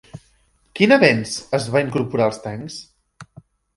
Quin avenç es va incorporar als tancs?